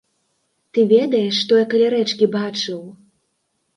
Ты ведаеш, што я каля рэчкі бачыў?